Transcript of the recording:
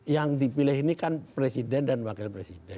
yang dipilih ini kan presiden dan wakil presiden